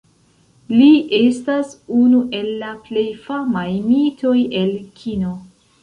Li estas unu el la plej famaj mitoj el kino.